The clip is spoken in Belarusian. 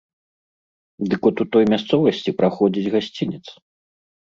Дык от у той мясцовасці праходзіць гасцінец.